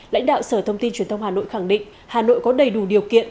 lãnh đạo sở thông tin truyền thông hà nội khẳng định hà nội có đầy đủ điều kiện